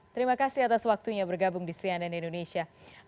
terima kasih atas waktunya bergabung di cnn indonesia